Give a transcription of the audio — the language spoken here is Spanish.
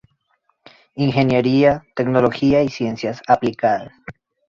Ingeniería, Tecnología y Ciencias aplicadas.